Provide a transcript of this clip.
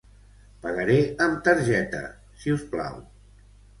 Pagaré amb targeta, si us plau.